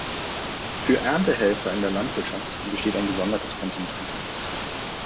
Für Erntehelfer in der Landwirtschaft besteht ein gesondertes Kontingent.